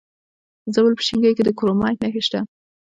د زابل په شینکۍ کې د کرومایټ نښې شته.